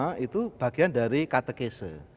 di bagian dari katekese